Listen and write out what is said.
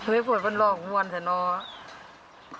เฮ้ยพูดบ้านหล่อของหวนสินะ